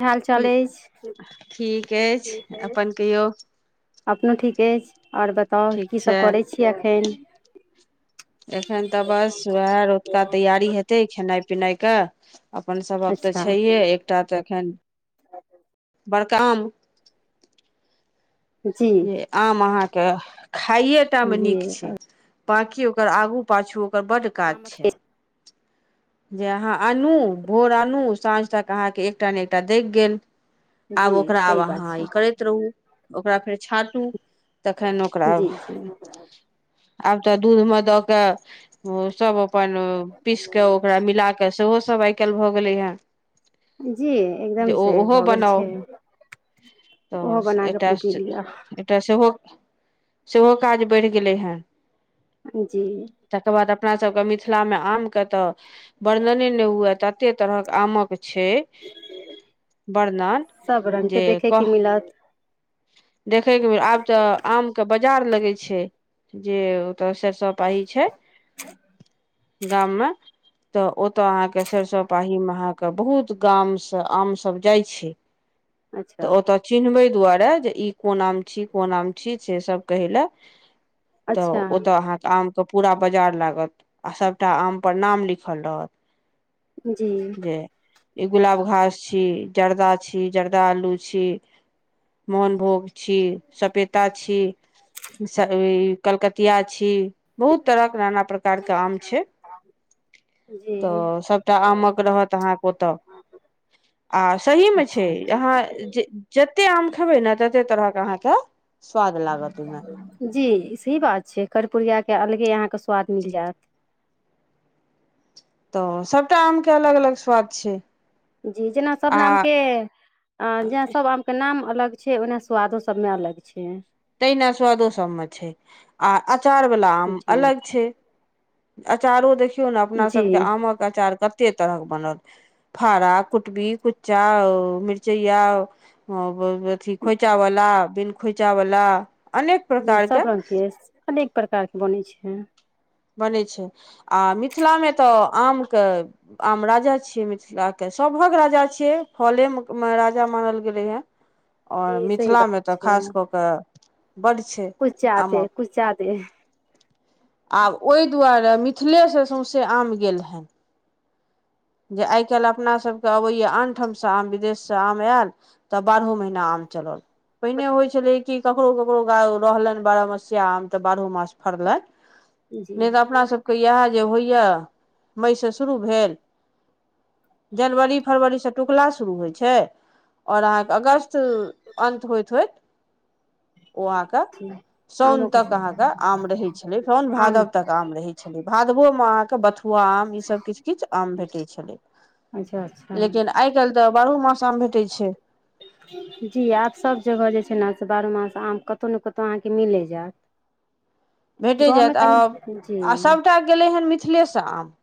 की हाल चाल अछि ठीक ठीक अछि ठीक अई अपन कहियौ अपनो ठीक अछि आओर बताउ ठीक छै कीसभ करै छियै एखन एखन तऽ बस उएह रतुका तैयारी हेतै खेनाइ पिनाइ के अपन सभक तऽ अच्छा छैहे एकटा तऽ एखन बड़का आम जी जे आम अहाँके खाइए टा मे जी नीक छै बाँकि ओकर आगू पाछू ओकर बड काज छै आमक जे अहाँ आनू भोर आनू साँझ तक अहाँके एकटा ने एकटा दगि गेल आब जी ओकरा आब सही बात अहाँ छै ई करैत रहू ओकरा फेर छाँटू तखैन ओकरा जी जी आब तऽ दूध मे दऽ के सब अपन पीस के ओ मिला के सेहो सभ आइ काल्हि भऽ गेलै हेँ जी जे एकदम ओ से ओहो भऽ गेल बनाउ छै ओहो तऽ बना कऽ एकटा अपन पी लिअ तऽ सेहो सेहो काज बढ़ि गेलै हँ त जी तकर बाद अपना सबके मिथिलामे आमके तऽ वर्णने ने हुए तते तरहक आमक छै बरनन सब रंग के जे देखे कह के मिलत देखयके आब तऽ आमके बाजार लगै छै जे त सरसो पाही छै गाम मे तऽ ओ ओतऽ अहाँके सरिसो पाही मे अहाँके बहुत गाम से आम सब जाइ छै तऽ अच्छा ओतऽ चिन्हबै दुआरे ई कोन आम छी कोन आम छी से सब कहै ल तऽ अच्छा ओ त आंहा के आम के पूरा बजार लागत आ सबटा आम पर नाम लिखल रहत जी जे ई गुलाब घास छी जर्दा छी जर्दा आलू छी मोहनभोग छी सपेता छी कलकतिया छी बहुत तरहक नाना प्रकारके आम छै जी तऽ सभटा आमक रहत अहाँके ओतऽ आ सही मे छै अच्छा यहाँ जे जते आम खेबै ने तते तरहक अहाँके स्वाद लागत ओहिमे जी सही बात छै कर्पूरियाके अलगे अहाँके स्वाद मिल जायत तऽ सभटा आम के अलग अलग स्वाद छै जी जेना सब नामके आ जेना सभ आमके नाम अलग छै ओहिना स्वादो सभमे अलग छै तहिना स्वादो सब मे छै आ अचार वला आम जी अलग छै अँचारो देखियौ ने अपनासभके जी आमक अचार कतेक तरहक बनल फारा कुटबी कुच्चा ओ मिरचइआ हं ब ब अथी खोईंचा वला बिन खोईंचा वला जी सब रंग के अनेक प्रकार के बनैत छै बनै छै आ मिथिलामे तऽ आमके आम राजा छियै मिथिला के सभक राजा छियै फले मे राजा मानल गेले हे आओर जी सही मिथिलामे बात तऽ खास कऽ कऽ बड्ड छै कु्छ ज्यादे आमक [inaudible] आब ओहि दुआरे मिथिलेसँ सौसे आम गेल हँ जे आइ काल्हि अपनासभके अबैया आन ठामसँ आम विदेशसँ आम आयल तऽ बारहो महीना आम चलल पहिने होइ छले की ककरो ककरो रहलनि बारहमस्या आम ते बारहो मास फरलनि जी नहि तऽ अपनासभके इएह जे होइए मइसँ शुरू भेल जनवरी फरवरीसँ टुकला शुरू होइ छै आओर अहाँके अगस्त अन्त होइत होइत ओ अहाँके जी साोन आमोके तक अहाँके आम रहै छलै साोन आम भादव तक आम रहै छलै भादो कदबो में अहाँ के बथुआ आम ई सब किछ किछ आम भेटै छले अच्छा अच्छा लेकिन आइ काल्हि तऽ बारहो मास आम भेटै छै जी आब सभ जगह जे छै ने से बारहमास आम कतहु ने कतहु अहाँकेँ मिले जायत भेटै गाँवमे जायत आ कनि आ जी सभटा गेलै हन मिथिलेसँ आम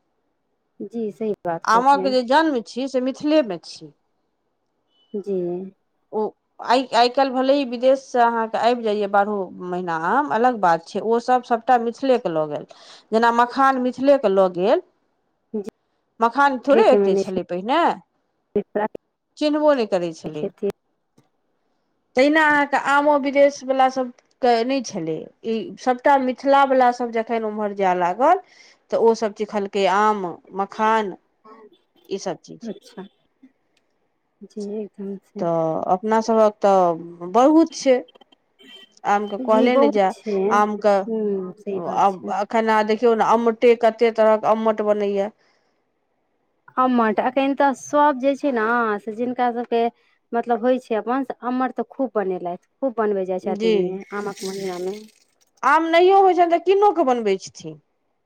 जी सही बात आमाँक कहलियै जे जन्म छी से मिथिलेमे छी जी ओ आइ आइ काल्हि भेलै ह विदेशसँ अहाँके आबि जाइए बारहो महीना आम अलग बात छै ओ सब सब सभटा मिथिलेके लऽ गेल जेना मखान मिथिलेके लऽ गेल मखान जी थोड़े के एते मैनेज छलै पहिने [unintelligible] चिन्हबो नहि करै छलै खेती तहिना अहाँके आमो विदेश वला सभ के नहि छलै ई सभटा मिथिलावलासभ जखन ओम्हर जाय लागल तऽ ओसब चीखलकै आम मखान ईसभ चीज अच्छा जी एकदम से तऽ अपनासभक तऽ बहुत छै आमक जी कहले ने बहुत जा छै आमक हूँ सही बात छै आब आब खेना देखियौ ने अमटे कते तरहक आमट बनैया अम्मट एखैन तऽ सब जे छै ने से जिनका सबके मतलब होइ छै अपन से अम्मट तऽ खूब बनेलथि खूब बनबे जाइ छै अ जी मे आमक महिना मे आम नहियो होइत छनि तऽ कीनोक क बनबैत छथिन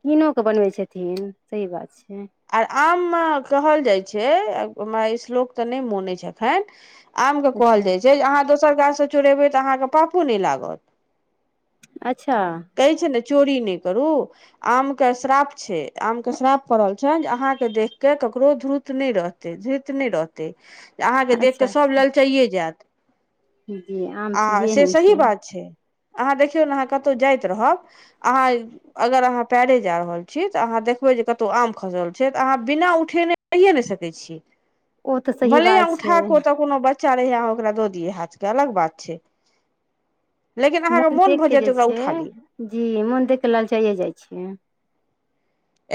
कीनोकेऽ बनबै छथिन सही बात छै आर आममे कहल जाइत छै हमरा श्लोक तऽ नहि मोन अईछ एखन आमके कहल अच्छा जाइत छै जे अहाँ दोसर गाछसँ चोड़ेबै तऽ अहाँके पापो नहि लागत अच्छा कहै छै ने चोरी नहि करू आम के श्राप छै आम के श्राप पड़ल छनि जे अहाँके देख के ककरो ध्रुत नहि रहत धइत नहि रहतै अहाँके देख कऽ अच्छा सभ ललचाइए जायत जी आम आ चीजे से एहन सही बात छै अहाँ देखियौ ने अहाँ कतहु जाइत रहब आंहां अगर अहाँ पैरे जा रहल छी तऽ अहाँ देखबै जे कतहु आम खसल छै तऽ अहाँ बिना उठेने रहिए नहि सकैत छी ओ तऽ सही भले आंहा बात छै उठा क ओतऽ कोनो बच्च ईच्छा रहैया ओकरा द दिय हाथ के अलग बात छै लेकिन अहाँके मोन देख भऽ के जाइया जे ओकरा छै उठा ली जी मोन देख के लालचाइए जाइ छियै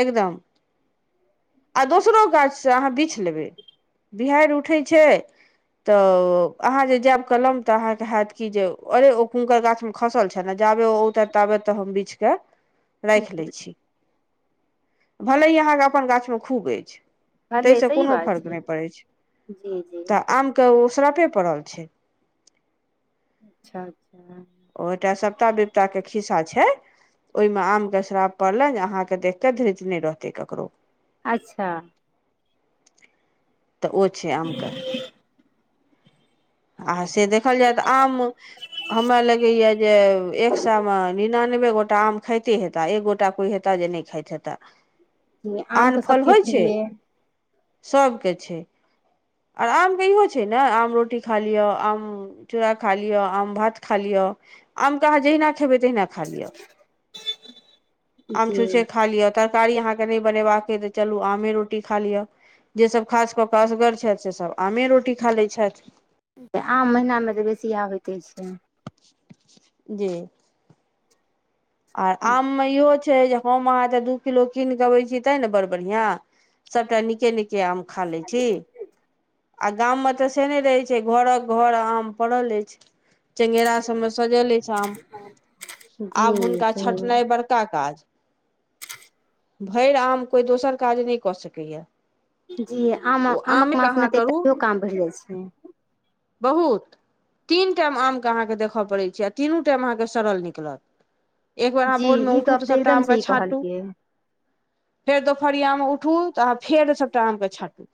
एकदम आ दोसरो गाछसँ अहाँ बिछि लेबै बिहारि उठै छै तऽ अहाँ जे जायब कलम तऽ अहाँके हैत कि जे अरे ओ हुनकर गाछमे खसल छलै जाबे औतै ताबे तऽ हम बिछके राखि जी लै छी भल ह अहाँके अपन गाछमे खूब अछि भले ताहिसँ सही कोनो बात फर्क छै नहि पड़ैत छै जी जी तऽ आमके ओ सराफे पड़ल छै अच्छा ओटा सपटा विपताके खिस्सा छै ओहिमे आमके श्राप पड़लनि जे अहाँकेँ देख कऽ धृत नहि रहतै ककरो अच्छा तऽ ओ छै आमके आ से देखल जाय तऽ आम हमरा लगैया जे एक सावा मे निनानबे गोटा आम खाइते हेता एक गोटा कोई हेता जे नहि खाइत हेता ज आम आन तऽ फल सबके होइ छै प्रिय है सभके छै आर आम के इहो छै ने आम रोटी खा लिअ आम चूड़ा खालिअ आम भात खा लिअ आमके अहाँ जहिना खेबै तहिना खा लिअ आम जी छुच्छे खा लिअ तरकारी अहाँ केँ नहि बनेबाक अइ तऽ चलू आमे रोटी खा लिअ जेसभ खास कऽ कऽ असगर छथि सेसभ आमे रोटी खा लैत छथि आम महिनामे तऽ बेसी इहै होयते छै जी आ आम मे इहो छै हम अहाँ त दू किलो कीन के अबै छीयै ते ने बड़ बढ़ियां सबटा निके निक के आम खा लै छी आ गाम मे तऽ से नहि रहै छै घरक घर आम पड़ल अछि चेंगेरा सब मे सजल अछि छै आम आब जी हुनका छटनाइ सही बड़का काज भरि आम कोइ दोसर काज नहि कऽ सकैए जी आम ओ आमक आमेके मासमे अहाँ तऽ करू एकओ काम बढ़ि जाइ छै बहुत तीन टाम आमके अहाँके देखय पड़ैत छै आ तीनू टाइम अहाँके सड़ल निकलत एक बेर अहाँ जी भोर मे ई उठू गप तऽ सभटा एकदम आमके सही छाँटू कहलियै फेर दोपहरियामे उठू तऽ अहाँ फेर सभटा आमके छाँटू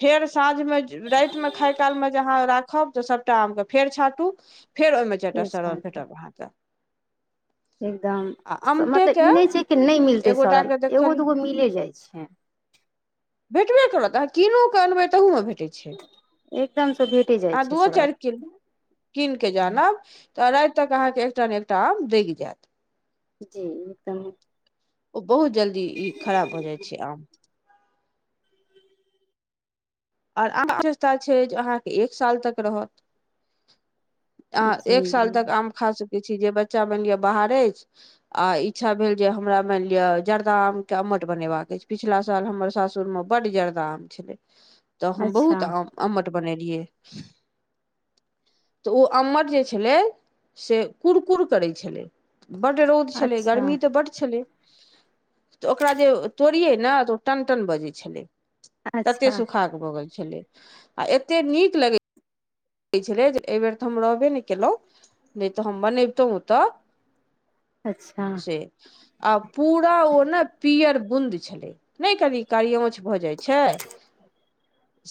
फेर साँझ मे राति मे खाय काल मे जे अहाँ राखब तऽ सभ सभटा आमके फेर छाँटू फेर ओहि मे चारिटा से छै सरल भेटत अहाँके एकदम आ अमटेके मतलब ई नहि छै कि नहि एक मिलतै सड़ल गोटाके एगो देखल दूगो मिले जाइ छै भेटबे करत अहाँ कीनो के अनबै तहू मे भेटे छै एकदमसँ भेटे जाइ आ छै दूओ सड़ल चारि किल कीन के जे जानब तऽ राति तक अहाँके एकटा ने एकटा आम दगि जायत जी एकदम ओ बहुत जल्दी ई खराब भऽ जाइ छै आम आर आम वस्ता छै जे अहाँके एक साल तक रहत अहा जी एक साल जी तक आम खा सकै छी जे बच्चा मानि लिअ बाहर अछि आ इच्छा भेल जे हमरा मानि लिअ जर्दा आम के आमट बनेबाक अछि पिछला साल हमर सासुर मे बड जर्दा आम छलै तऽ हम बहुत अच्छा आम आमट बनेलियै तऽ ओ अम्मट जे छलै से कुरकुर करै छलै बड्ड रौद छलै अच्छा गर्मी तऽ बड छलै तऽ ओकरा जे तोड़िये ने तऽ ओ टनटन बजै छलै तते अच्छा सुूखा भगेल छलै आ एते नीक लगै कहै छलै जे एहि बेेर तऽ हम रहबे नहि केलहुँ नहि तऽ हम बनैबतहुँ ओतऽ अच्छा से आ पूरा ओ ने पियर बुंद छलै नहि कनि कारी औच भऽ जाइ छै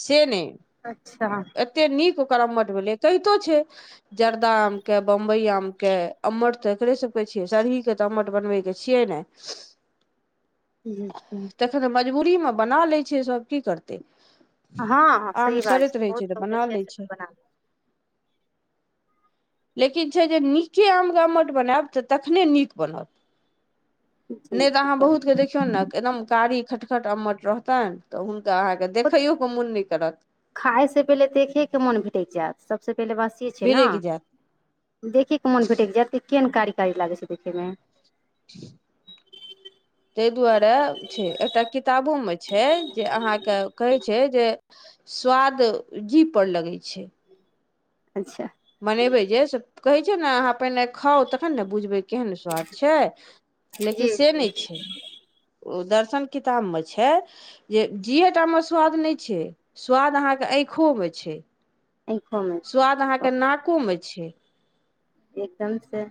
से नहि अच्छा एते नीक ओकर अम्मट भेलै कहितो छै जर्दा आम के बम्बई आम के अम्माठ त सब छिय सरही के तऽ अम्मट बनबै के छियै नै [inaudible] [inaudible] तेखन मजबूरी में बना लै छै सभ की करतै हँ हँ आम सही बात छै सड़ैत रहै बहुत तऽ बना बिय लै छै बना [unintelligible] लेकिन छै जे नीके आम के अम्मट बनायब तऽ तखने नीक बनत जी नहि तऽ अहाँ एकदम बहुत के देखियौ ने एकदम कारी खटखट अम्मट रहतैनि तऽ हुनका अहाँके बहुत देखैयो के मुन नहि करत खाय से पहिले देखे के मोन भेटै जायत सभसे पहिले बात ई छै ने भिरैक जायत देखे के मोन भेटैक जायत कि केहन कारी कारी लागै छै देखैमे [inaudible] [inaudible] तै दुआरे छै एकटा किताबो मे छै जे अहाँ के कहै छै जे स्वाद जी पर लगै छै अच्छा बनेबे जे से कहै छै ने आहाँ पहिने खाउ तखन ने बुझबै केहन स्वाद छैय लेकिन जी से नहि जी छै ओ दर्शन किताब मे छै जे जिय्टा मे स्वाद नहि छै स्वाद अहाँ के आँखो मे छै आँखोमे स्वाद आहाँ के नाको मे छै एकदम से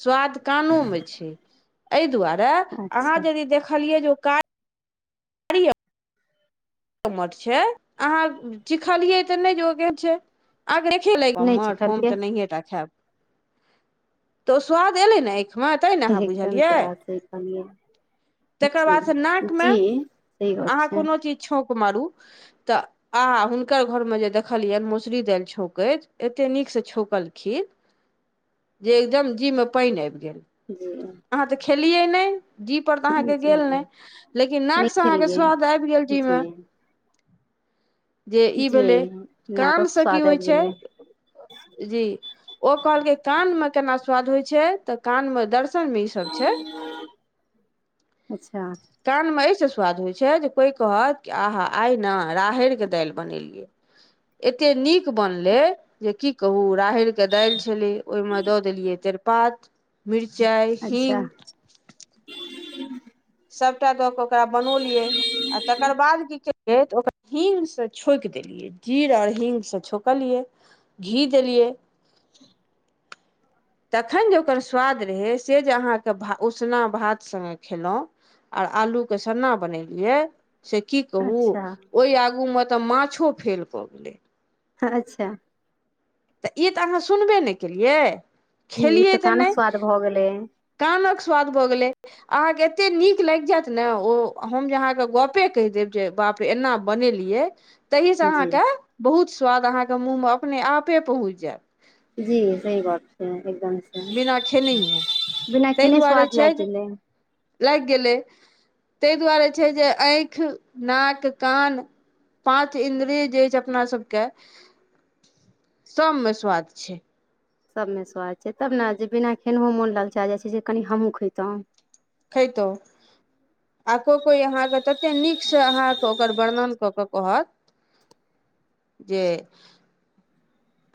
स्वाद कानोमे छै एहि दुआरे अहाँ अच्छा यदि देखलियै जे का अम्मठ छै आहाँ चिखलियै तऽ नहि ओ केहन छै आ देख ल नहि छै कहलियै तऽ नहिटा खायब तऽ स्वाद एलै ने एक एकदम से बात सही कहलियै [unintelligible] [inaudible] तकर जी बादसँ नाकमे जी सही गप अहाँ छै कोनो चीज छौक मारू तऽ आ हुनकर घरमें जे देखलियैनि मौसुरी दालि छौंकैत एते नीक से छौंकलखिन जे एकदम जी मे पानि आबि गेल जी अहाँ तऽ खेलियै नहि जीप पर तऽ अहाँके गेल नहि लेकिन नाक स अहाँ के खेलियै स्वाद आबि गेल जी जीमे जे ई जी भेलै काम नाकक से की स्वाद होइ आबि छै गेलै जी ओ कहलकै कान मे केना स्वाद होइ छै तऽ कान मे दर्श [unintelligible] अच्छा [unintelligible] कानमे एहिसँ स्वाद होइ छै जे कोइ कहत आहा आइ ने राहैड़के दालि बनेलियै एते नीक बनलै जे की कहू राहैड़ के दालि छलै ओहिमे दऽ देलियै तेरपात मिरचाइ अच्छा हिंग सभटा दऽ कऽ ओकरा बनौलियै आ तकर बाद की के तै ओकरा हींग से छोक देलियै जीर ओर हिंग से छौंकलियै घी देलियै [inaudible] तखन जे ओकर स्वाद रहै से जे अहाँके उसना भात संगे खेलहुँ आर आलू के सन्ना बनेलियै से की कहू अच्छा ओहि आगू मे तऽ माछो फेल कऽ गेलै अच्छा तऽ ई तऽ अहाँ सुनबे नहि केलियै जी इ तऽ कानक स्वाद भए गेले कामक स्वाद भऽ गेलै अहाँ केँ एतेक नीक लागि जायत ने ओ हम जे अहाँ के गपे कहि देब जे बाप एना बनेलियै तहि से जी अहाँके बहुत स्वाद अहाँके मुँह मे अपने आपे पहुँच जायत जी सही बात छै एकदम बिना खेनैहे से बिना ताहि केेने दुआरे स्वाद छै लागि जे गेलै लागि गेलै ताहि दुआरे छै जे आँखि नाक कान पाँच इन्द्रिय जे छै अपना सबके सभ मे स्वाद छै सबमे स्वाद छै तब ने जे बिना खेनहो मोन लग जाइ छै कनी हमहहुँ खैतहुँ खेतौ आ कोइ कोइ अहाँके तते नीकसँ अहाँके ओकर वर्णन कऽ के कहत जे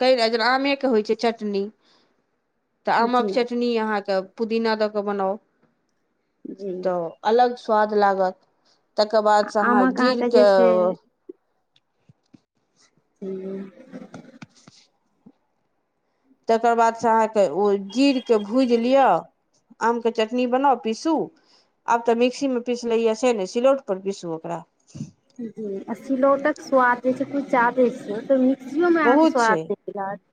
कए जेना आमेके होइ छै चटनी तऽ जी आमक चटनी अहाँके पुदीना दऽ के बनाउ जी तऽ अलग स्वाद लागत तकर बादसँ अहाँ आमक अहाँके जे जीरके छै हू तकर बादसँ अहाँके ओ जीरकेँ भूजि लिअ आम के चटनी बनाउ पीसू आब तऽ मिक्सी मे पीसलेय से ने सिलौट पर पीसू ओकरा जी आ सिलौट के स्वाद जे छै कुछ जाादे छै त मिक्सियो मे अहाँ के बहुत छै स्वाद दे य [inaudible]